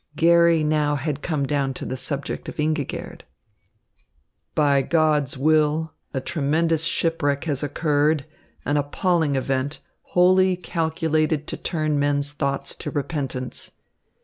Garry now came down to the subject of Ingigerd. "By God's will a tremendous shipwreck has occurred, an appalling event, wholly calculated to turn men's thoughts to repentance."